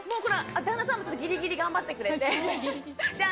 旦那さんもギリギリ頑張ってくれて。